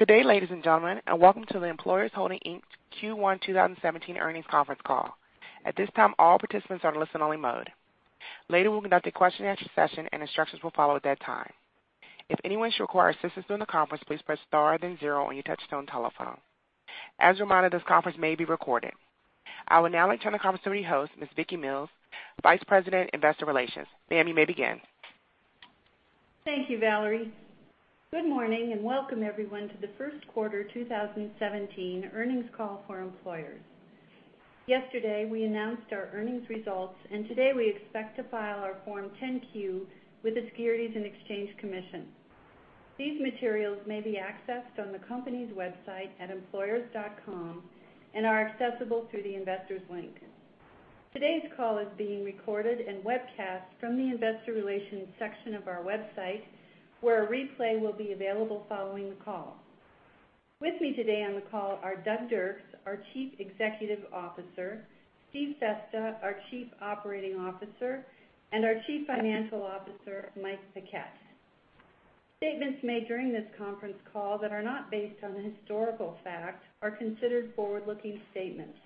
Good day, ladies and gentlemen, and welcome to the Employers Holdings, Inc.'s Q1 2017 earnings conference call. At this time, all participants are in listen-only mode. Later, we'll conduct a question and answer session, and instructions will follow at that time. If anyone should require assistance during the conference, please press star then zero on your touchtone telephone. As a reminder, this conference may be recorded. I would now like to turn the conference to your host, Ms. Vicki Mills, Vice President, Investor Relations. Ma'am, you may begin. Thank you, Valerie. Good morning, and welcome everyone to the first quarter 2017 earnings call for Employers. Yesterday, we announced our earnings results, and today we expect to file our Form 10-Q with the Securities and Exchange Commission. These materials may be accessed on the company's website at employers.com and are accessible through the Investors link. Today's call is being recorded and webcast from the investor relations section of our website, where a replay will be available following the call. With me today on the call are Doug Dirks, our Chief Executive Officer, Steve Festa, our Chief Operating Officer, and our Chief Financial Officer, Mike Paquette. Statements made during this conference call that are not based on a historical fact are considered forward-looking statements.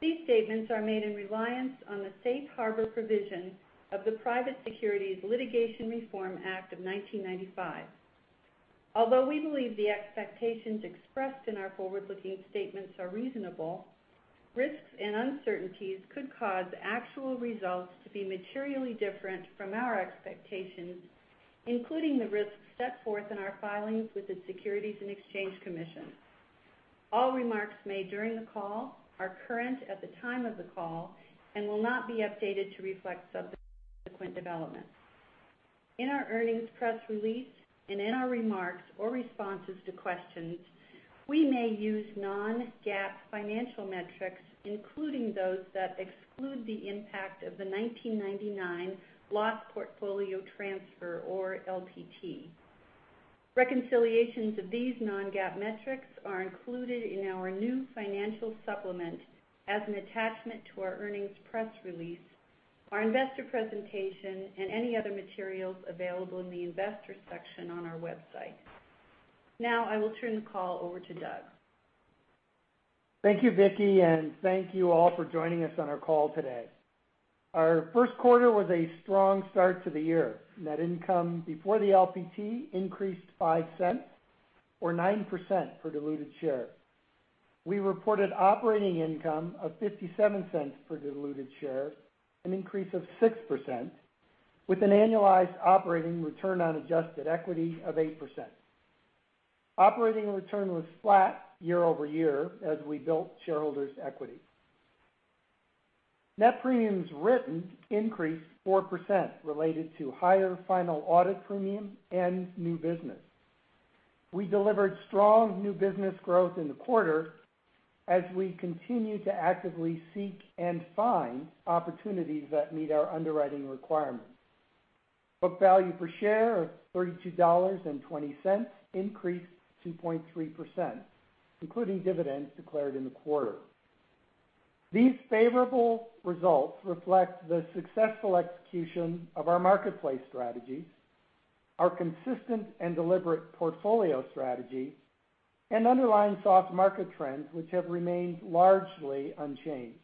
These statements are made in reliance on the safe harbor provisions of the Private Securities Litigation Reform Act of 1995. Although we believe the expectations expressed in our forward-looking statements are reasonable, risks and uncertainties could cause actual results to be materially different from our expectations, including the risks set forth in our filings with the Securities and Exchange Commission. All remarks made during the call are current at the time of the call and will not be updated to reflect subsequent developments. In our earnings press release and in our remarks or responses to questions, we may use non-GAAP financial metrics, including those that exclude the impact of the 1999 loss portfolio transfer, or LPT. Reconciliations of these non-GAAP metrics are included in our new financial supplement as an attachment to our earnings press release, our investor presentation, and any other materials available in the Investors section on our website. Now, I will turn the call over to Doug. Thank you, Vicki, and thank you all for joining us on our call today. Our first quarter was a strong start to the year. Net income before the LPT increased $0.05 or 9% for diluted share. We reported operating income of $0.57 for diluted shares, an increase of 6%, with an annualized operating return on adjusted equity of 8%. Operating return was flat year-over-year as we built shareholders' equity. Net premiums written increased 4%, related to higher final audit premium and new business. We delivered strong new business growth in the quarter as we continue to actively seek and find opportunities that meet our underwriting requirements. Book value per share of $32.20 increased 2.3%, including dividends declared in the quarter. These favorable results reflect the successful execution of our marketplace strategies, our consistent and deliberate portfolio strategy, and underlying soft market trends, which have remained largely unchanged.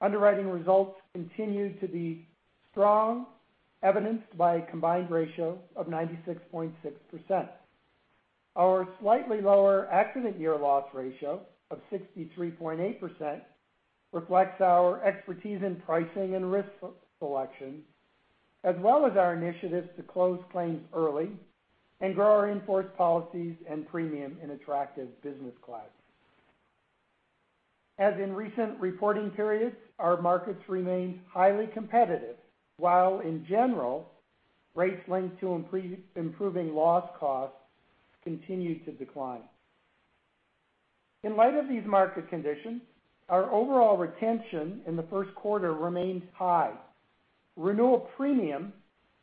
Underwriting results continued to be strong, evidenced by a combined ratio of 96.6%. Our slightly lower accident year loss ratio of 63.8% reflects our expertise in pricing and risk selection, as well as our initiatives to close claims early and grow our in-force policies and premium in attractive business classes. As in recent reporting periods, our markets remained highly competitive, while in general, rates linked to improving loss costs continued to decline. In light of these market conditions, our overall retention in the first quarter remains high. Renewal premium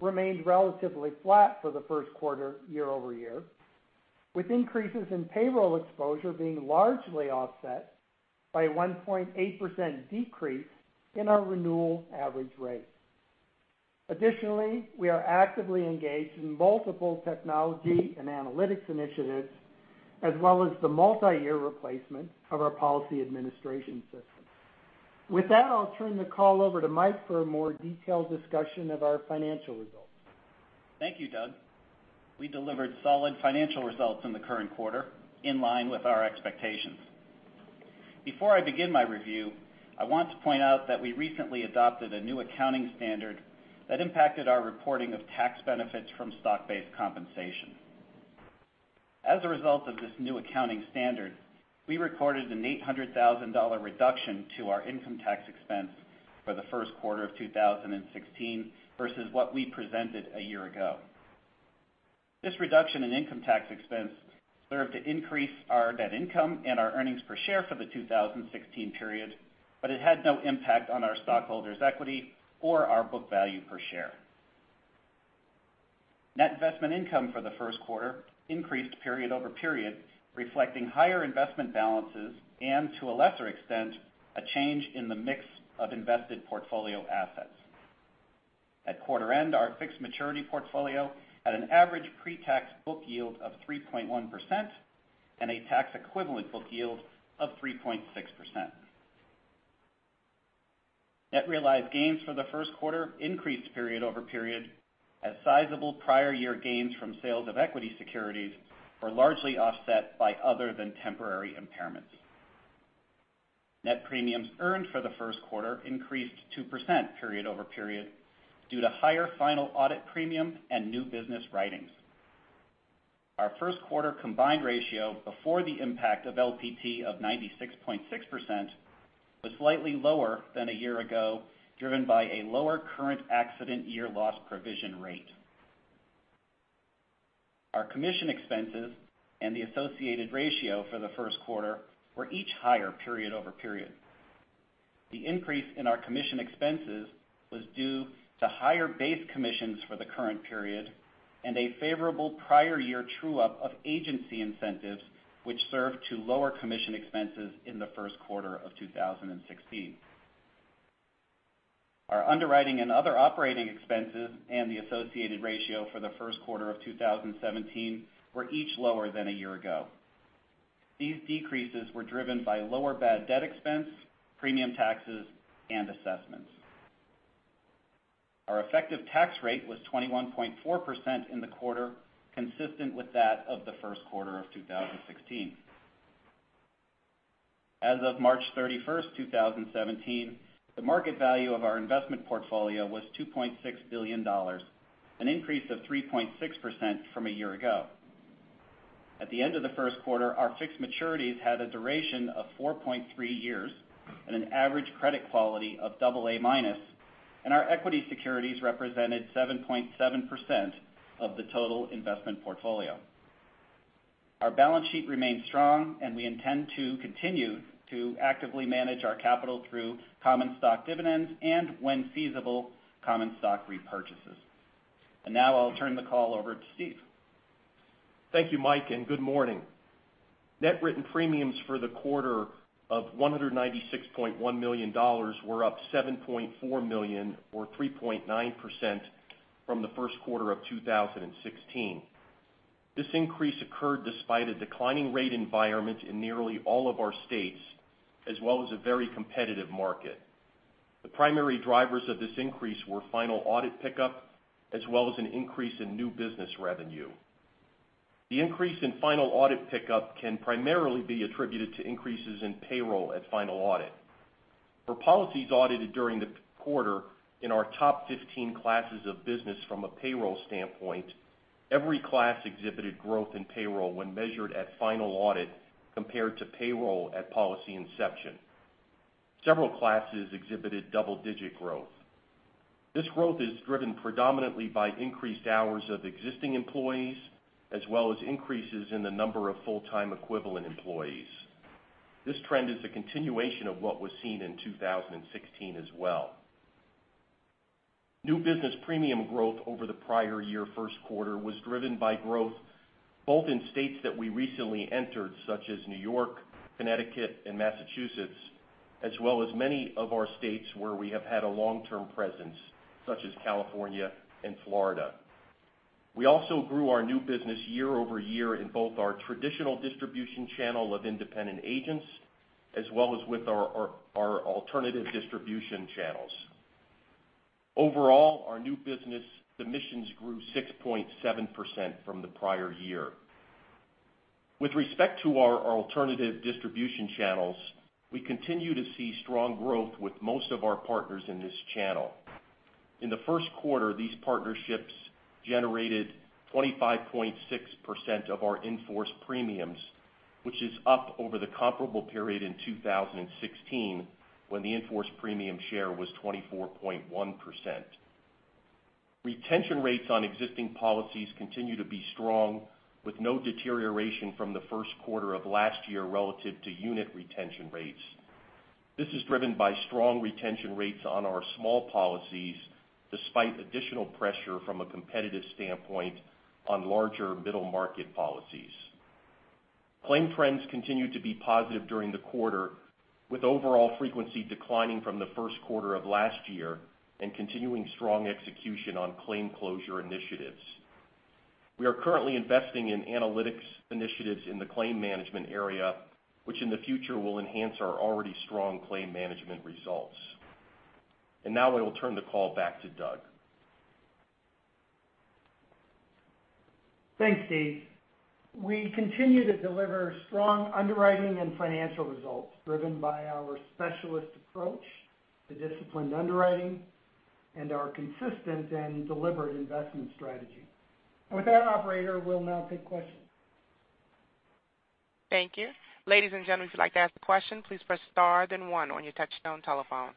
remained relatively flat for the first quarter year-over-year, with increases in payroll exposure being largely offset by a 1.8% decrease in our renewal average rate. We are actively engaged in multiple technology and analytics initiatives as well as the multiyear replacement of our policy administration system. I'll turn the call over to Mike for a more detailed discussion of our financial results. Thank you, Doug. We delivered solid financial results in the current quarter, in line with our expectations. Before I begin my review, I want to point out that we recently adopted a new accounting standard that impacted our reporting of tax benefits from stock-based compensation. As a result of this new accounting standard, we recorded an $800,000 reduction to our income tax expense for the first quarter of 2016 versus what we presented a year ago. This reduction in income tax expense served to increase our net income and our earnings per share for the 2016 period, but it had no impact on our stockholders' equity or our book value per share. Net investment income for the first quarter increased period-over-period, reflecting higher investment balances and, to a lesser extent, a change in the mix of invested portfolio assets. At quarter end, our fixed maturity portfolio at an average pre-tax book yield of 3.1% and a tax equivalent book yield of 3.6%. Net realized gains for the first quarter increased period-over-period as sizable prior year gains from sales of equity securities were largely offset by other-than-temporary impairments. Net premiums earned for the first quarter increased 2% period-over-period due to higher final audit premium and new business writings. Our first quarter combined ratio before the impact of LPT of 96.6% was slightly lower than a year ago, driven by a lower current accident year loss provision rate. Our commission expenses and the associated ratio for the first quarter were each higher period-over-period. The increase in our commission expenses was due to higher base commissions for the current period and a favorable prior year true-up of agency incentives, which served to lower commission expenses in the first quarter of 2016. Our underwriting and other operating expenses and the associated ratio for the first quarter of 2017 were each lower than a year ago. These decreases were driven by lower bad debt expense, premium taxes, and assessments. Our effective tax rate was 21.4% in the quarter, consistent with that of the first quarter of 2016. As of March 31st, 2017, the market value of our investment portfolio was $2.6 billion, an increase of 3.6% from a year ago. At the end of the first quarter, our fixed maturities had a duration of 4.3 years and an average credit quality of double A minus, and our equity securities represented 7.7% of the total investment portfolio. Our balance sheet remains strong, we intend to continue to actively manage our capital through common stock dividends and when feasible, common stock repurchases. Now I'll turn the call over to Steve. Thank you, Mike, and good morning. Net written premiums for the quarter of $196.1 million were up $7.4 million or 3.9% from the first quarter of 2016. This increase occurred despite a declining rate environment in nearly all of our states, as well as a very competitive market. The primary drivers of this increase were final audit pickup as well as an increase in new business revenue. The increase in final audit pickup can primarily be attributed to increases in payroll at final audit. For policies audited during the quarter in our top 15 classes of business from a payroll standpoint, every class exhibited growth in payroll when measured at final audit compared to payroll at policy inception. Several classes exhibited double-digit growth. This growth is driven predominantly by increased hours of existing employees, as well as increases in the number of full-time equivalent employees. This trend is a continuation of what was seen in 2016 as well. New business premium growth over the prior year first quarter was driven by growth both in states that we recently entered, such as New York, Connecticut, and Massachusetts, as well as many of our states where we have had a long-term presence, such as California and Florida. We also grew our new business year-over-year in both our traditional distribution channel of independent agents, as well as with our alternative distribution channels. Overall, our new business submissions grew 6.7% from the prior year. With respect to our alternative distribution channels, we continue to see strong growth with most of our partners in this channel. In the first quarter, these partnerships generated 25.6% of our in-force premiums, which is up over the comparable period in 2016 when the in-force premium share was 24.1%. Retention rates on existing policies continue to be strong with no deterioration from the first quarter of last year relative to unit retention rates. This is driven by strong retention rates on our small policies, despite additional pressure from a competitive standpoint on larger middle market policies. Claim trends continued to be positive during the quarter, with overall frequency declining from the first quarter of last year and continuing strong execution on claim closure initiatives. We are currently investing in analytics initiatives in the claim management area, which in the future will enhance our already strong claim management results. Now I will turn the call back to Doug. Thanks, Steve. We continue to deliver strong underwriting and financial results driven by our specialist approach to disciplined underwriting and our consistent and deliberate investment strategy. With that operator, we'll now take questions. Thank you. Ladies and gentlemen, if you'd like to ask a question, please press star then one on your touchtone telephone.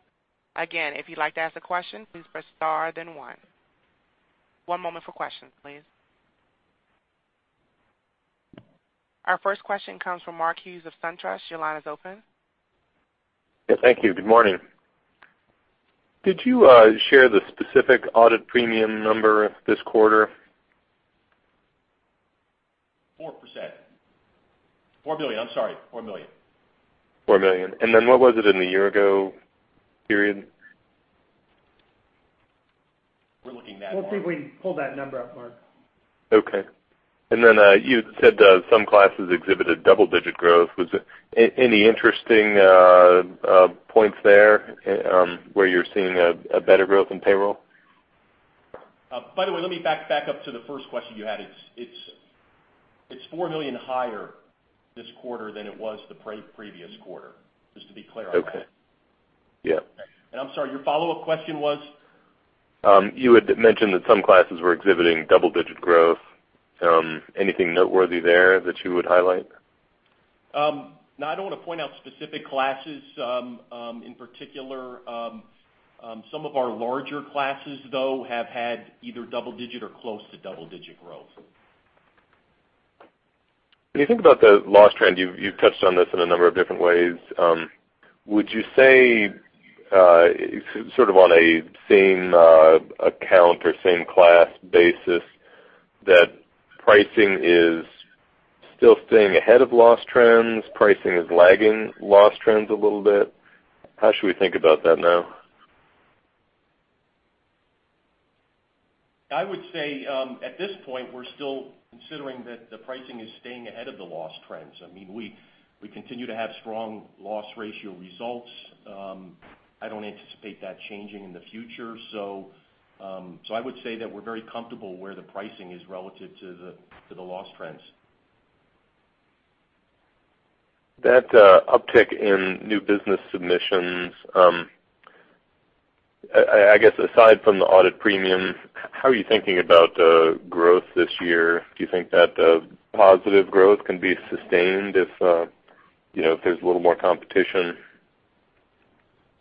Again, if you'd like to ask a question, please press star then one. One moment for questions, please. Our first question comes from Mark Hughes of SunTrust. Your line is open. Yeah, thank you. Good morning. Did you share the specific audit premium number this quarter? 4%. $4 million, I'm sorry. $4 million. $4 million. Then what was it in the year-ago period? We're looking that up. We'll see if we can pull that number up, Mark. Okay. Then you said some classes exhibited double-digit growth. Was there any interesting points there where you're seeing a better growth in payroll? By the way, let me back up to the first question you had. It's 4 million higher this quarter than it was the previous quarter, just to be clear on that. Okay. Yeah. I'm sorry, your follow-up question was? You had mentioned that some classes were exhibiting double-digit growth. Anything noteworthy there that you would highlight? No, I don't want to point out specific classes. In particular, some of our larger classes though, have had either double digit or close to double digit growth. When you think about the loss trend, you've touched on this in a number of different ways. Would you say, sort of on a same account or same class basis, that pricing is still staying ahead of loss trends, pricing is lagging loss trends a little bit? How should we think about that now? I would say, at this point, we're still considering that the pricing is staying ahead of the loss trends. We continue to have strong loss ratio results. I don't anticipate that changing in the future. I would say that we're very comfortable where the pricing is relative to the loss trends. That uptick in new business submissions, I guess aside from the audit premium, how are you thinking about growth this year? Do you think that positive growth can be sustained if there is a little more competition? Yeah.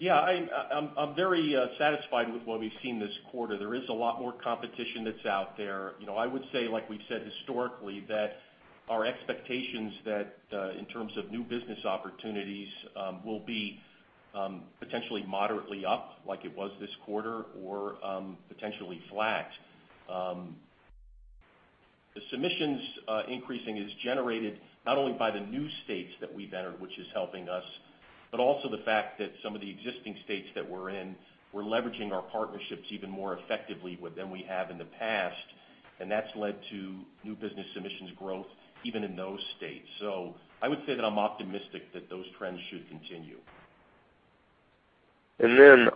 I am very satisfied with what we've seen this quarter. There is a lot more competition that's out there. I would say, like we've said historically, that our expectations that in terms of new business opportunities, will be potentially moderately up like it was this quarter or potentially flat. The submissions increasing is generated not only by the new states that we've entered, which is helping us, but also the fact that some of the existing states that we're in, we're leveraging our partnerships even more effectively than we have in the past, and that's led to new business submissions growth even in those states. I would say that I'm optimistic that those trends should continue.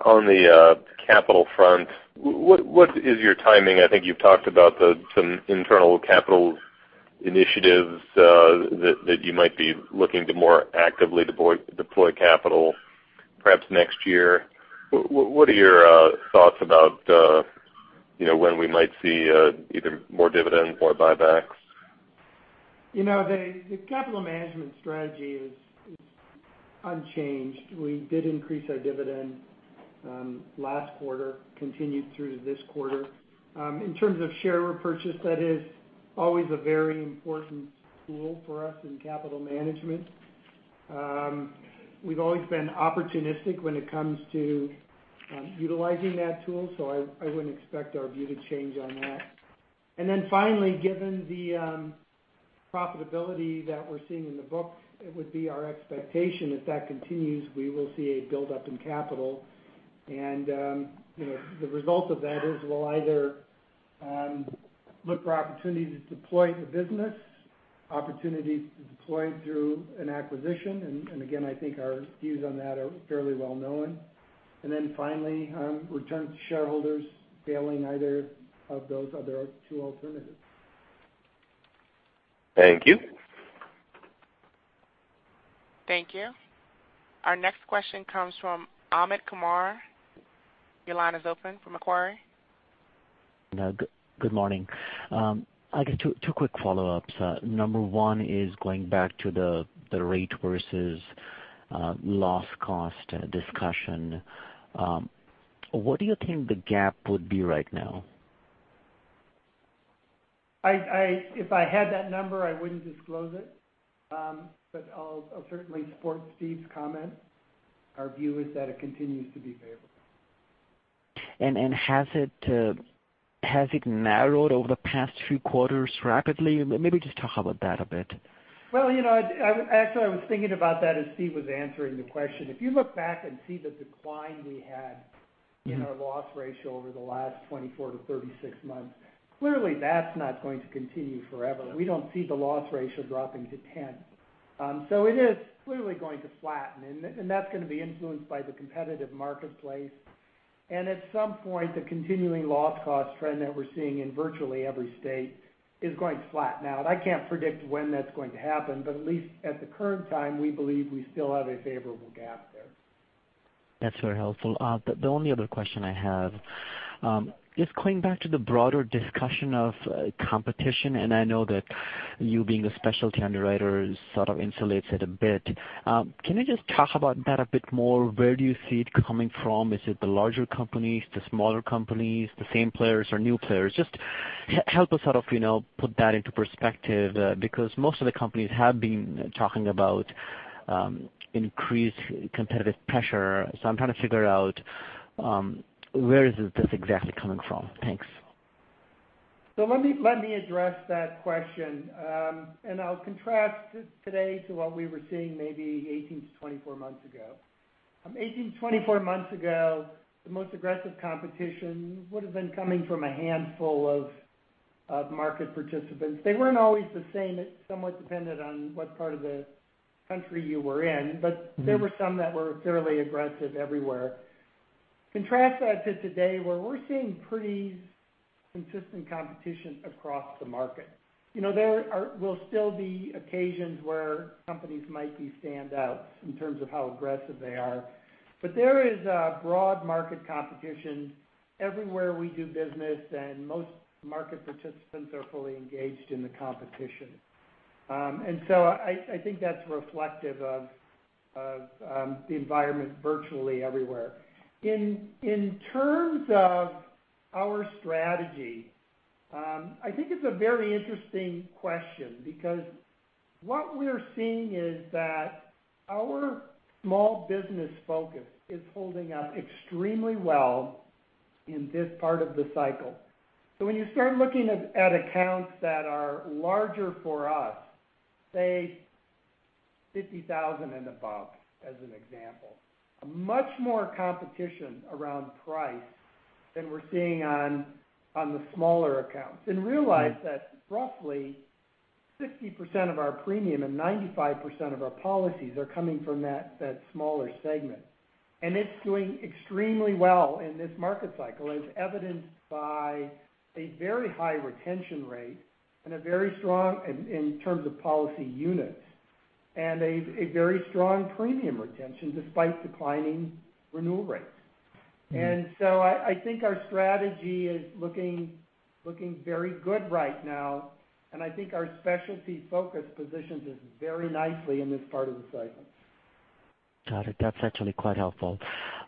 On the capital front, what is your timing? I think you've talked about some internal capital initiatives that you might be looking to more actively deploy capital perhaps next year. What are your thoughts about when we might see either more dividends, more buybacks? The capital management strategy is unchanged. We did increase our dividend last quarter, continued through to this quarter. In terms of share repurchase, that is always a very important tool for us in capital management. We've always been opportunistic when it comes to utilizing that tool, I wouldn't expect our view to change on that. Finally, given the profitability that we're seeing in the books, it would be our expectation if that continues, we will see a buildup in capital. The result of that is we'll either look for opportunities to deploy in the business, opportunities to deploy through an acquisition, I think our views on that are fairly well known. Finally, return to shareholders failing either of those other two alternatives. Thank you. Thank you. Our next question comes from Amit Kumar. Your line is open from Macquarie. Good morning. I've got two quick follow-ups. Number one is going back to the rate versus loss cost discussion. What do you think the gap would be right now? If I had that number, I wouldn't disclose it, but I'll certainly support Steve's comment. Our view is that it continues to be favorable. Has it narrowed over the past few quarters rapidly? Maybe just talk about that a bit. Well, actually, I was thinking about that as Steve was answering the question. If you look back and see the decline we had in our loss ratio over the last 24 to 36 months, clearly that's not going to continue forever. We don't see the loss ratio dropping to 10. It is clearly going to flatten, and that's going to be influenced by the competitive marketplace. At some point, the continuing loss cost trend that we're seeing in virtually every state is going to flatten out. I can't predict when that's going to happen, but at least at the current time, we believe we still have a favorable gap there. That's very helpful. The only other question I have, just going back to the broader discussion of competition, and I know that you being a specialty underwriter sort of insulates it a bit. Can you just talk about that a bit more? Where do you see it coming from? Is it the larger companies, the smaller companies, the same players or new players? Just help us sort of put that into perspective, because most of the companies have been talking about increased competitive pressure. I'm trying to figure out where is this exactly coming from? Thanks. Let me address that question. I'll contrast today to what we were seeing maybe 18 to 24 months ago. 18 to 24 months ago, the most aggressive competition would've been coming from a handful of market participants. They weren't always the same. It somewhat depended on what part of the country you were in. There were some that were fairly aggressive everywhere. Contrast that to today, where we're seeing pretty consistent competition across the market. There will still be occasions where companies might be standouts in terms of how aggressive they are, but there is a broad market competition everywhere we do business, and most market participants are fully engaged in the competition. I think that's reflective of the environment virtually everywhere. In terms of our strategy, I think it's a very interesting question because what we're seeing is that our small business focus is holding up extremely well in this part of the cycle. When you start looking at accounts that are larger for us, say 50,000 and above, as an example, much more competition around price than we're seeing on the smaller accounts. Realize that roughly 60% of our premium and 95% of our policies are coming from that smaller segment. It's doing extremely well in this market cycle, as evidenced by a very high retention rate in terms of policy units, and a very strong premium retention despite declining renewal rates. I think our strategy is looking very good right now, and I think our specialty focus positions us very nicely in this part of the cycle. Got it. That's actually quite helpful.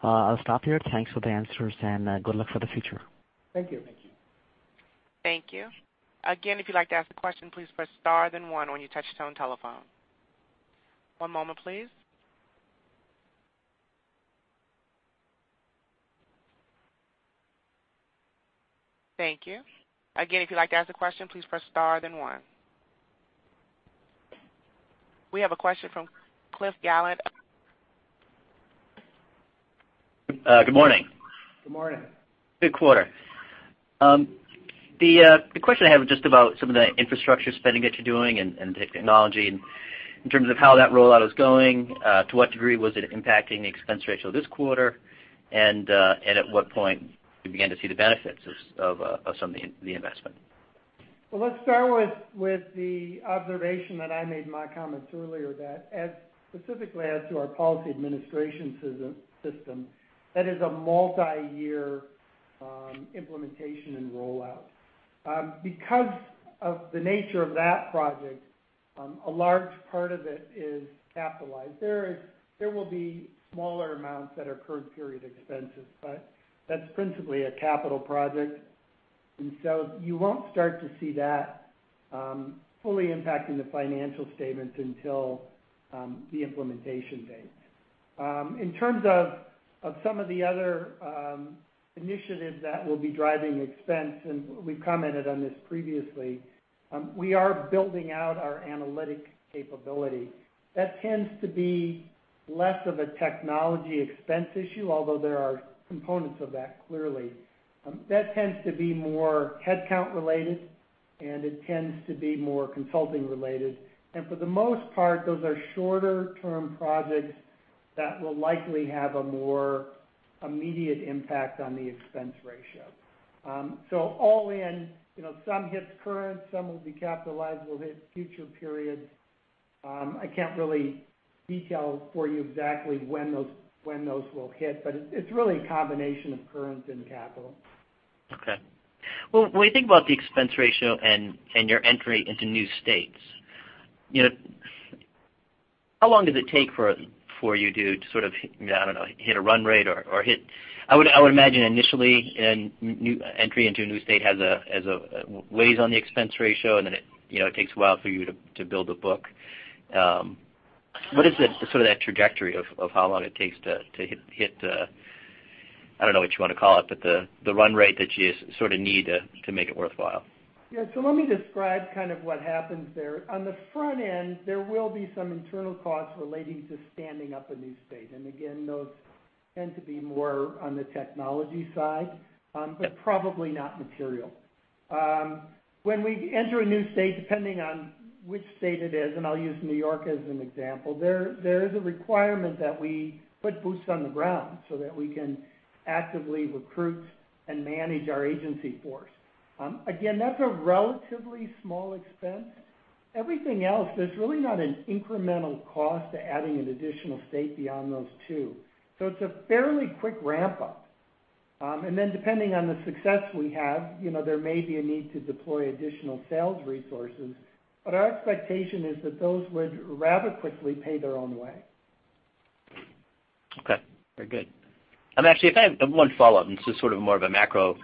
I'll stop here. Thanks for the answers, and good luck for the future. Thank you. Thank you. Thank you. Again, if you'd like to ask a question, please press star then one on your touch-tone telephone. One moment, please. Thank you. Again, if you'd like to ask a question, please press star then one. We have a question from Cliff Gallant. Good morning. Good morning. Good quarter. The question I have is just about some of the infrastructure spending that you're doing and the technology, and in terms of how that rollout is going, to what degree was it impacting the expense ratio this quarter, and at what point you began to see the benefits of some of the investment? Well, let's start with the observation that I made in my comments earlier that specifically adds to our policy administration system, that is a multi-year implementation and rollout. Because of the nature of that project, a large part of it is capitalized. There will be smaller amounts that are current period expenses, but that's principally a capital project. You won't start to see that fully impacting the financial statements until the implementation date. In terms of some of the other initiatives that will be driving expense, and we've commented on this previously, we are building out our analytic capability. That tends to be less of a technology expense issue, although there are components of that clearly. That tends to be more headcount related, and it tends to be more consulting related. For the most part, those are shorter-term projects that will likely have a more immediate impact on the expense ratio. All in, some hits current, some will be capitalized, will hit future periods. I can't really detail for you exactly when those will hit, but it's really a combination of current and capital. Okay. Well, when you think about the expense ratio and your entry into new states, how long does it take for you to sort of, I don't know, hit a run rate? I would imagine initially an entry into a new state weighs on the expense ratio, and then it takes a while for you to build a book. What is sort of that trajectory of how long it takes to hit the, I don't know what you want to call it, but the run rate that you sort of need to make it worthwhile? Yeah. Let me describe kind of what happens there. On the front end, there will be some internal costs relating to standing up a new state. Again, those tend to be more on the technology side. Probably not material. When we enter a new state, depending on which state it is, and I'll use New York as an example, there is a requirement that we put boots on the ground so that we can actively recruit and manage our agency force. Again, that's a relatively small expense. Everything else, there's really not an incremental cost to adding an additional state beyond those two. It's a fairly quick ramp-up. Depending on the success we have, there may be a need to deploy additional sales resources, but our expectation is that those would rather quickly pay their own way. Okay. Very good. Actually, if I have one follow-up, this is sort of more of a macro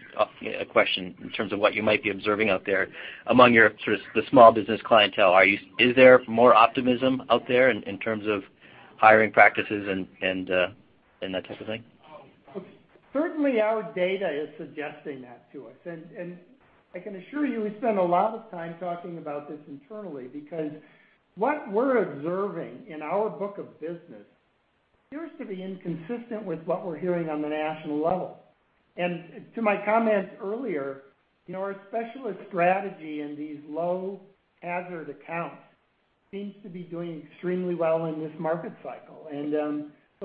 question in terms of what you might be observing out there among your sort of the small business clientele. Is there more optimism out there in terms of hiring practices and that type of thing? Certainly our data is suggesting that to us. I can assure you, we spend a lot of time talking about this internally because what we're observing in our book of business appears to be inconsistent with what we're hearing on the national level. To my comments earlier, our specialist strategy in these low hazard accounts seems to be doing extremely well in this market cycle.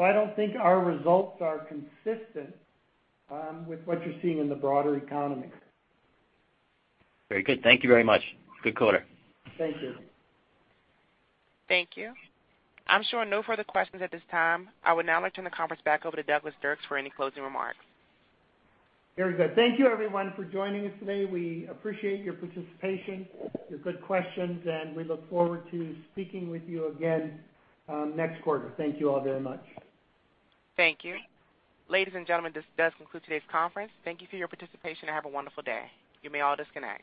I don't think our results are consistent with what you're seeing in the broader economy. Very good. Thank you very much. Good quarter. Thank you. Thank you. I'm showing no further questions at this time. I would now like to turn the conference back over to Douglas Dirks for any closing remarks. Very good. Thank you everyone for joining us today. We appreciate your participation, your good questions, and we look forward to speaking with you again next quarter. Thank you all very much. Thank you. Ladies and gentlemen, this does conclude today's conference. Thank you for your participation and have a wonderful day. You may all disconnect.